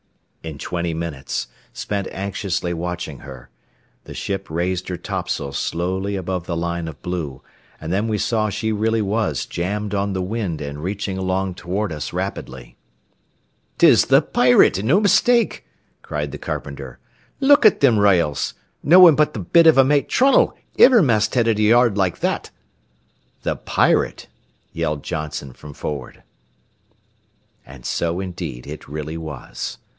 In twenty minutes, spent anxiously watching her, the ship raised her topsails slowly above the line of blue, and then we saw she really was jammed on the wind and reaching along toward us rapidly. "'Tis the Pirit, an' no mistake!" cried the carpenter. "Look at them r'yals! No one but th' bit av a mate, Trunnell, iver mastheaded a yard like that." "The Pirate!" yelled Johnson, from forward. And so, indeed, it really was.